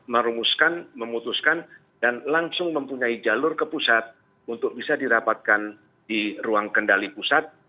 merumuskan memutuskan dan langsung mempunyai jalur ke pusat untuk bisa dirapatkan di ruang kendali pusat